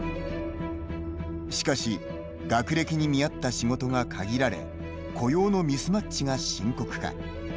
しかし学歴に見合った仕事が限られ雇用のミスマッチが深刻化。